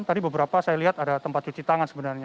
tadi beberapa saya lihat ada tempat cuci tangan sebenarnya